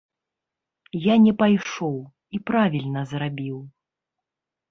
Я не пайшоў, і правільна зрабіў.